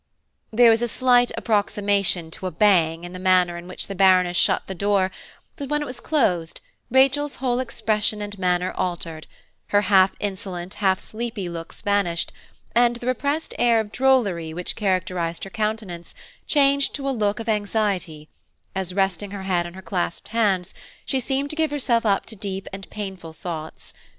There was a slight approximation to a bang in the manner in which the Baroness shut the door; but when it was closed, Rachel's whole expression and manner altered, her half insolent, half sleepy looks vanished, and the repressed air of drollery which characterised her countenance changed to a look of anxiety, as, resting her head on her clasped hands, she seemed to give herself up to deep and painful thoughts.